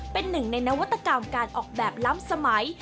เป็นหนึ่งในนวัตกรรมการออกแบบล้ำสมัย